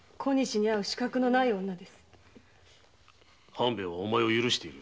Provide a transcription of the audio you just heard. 半兵衛はお前を許してる。